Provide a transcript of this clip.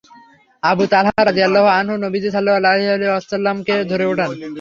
আবু তালহা রাযিয়াল্লাহু আনহু নবীজী সাল্লাল্লাহু আলাইহি ওয়াসাল্লাম-কে ধরে উঠান।